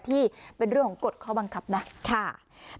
ที่เป็นเรื่องของกฎข้อบังคับนะค่ะ